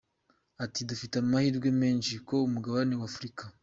Ati “Dufite amahirwe menshi ku mugabane wa Afurika.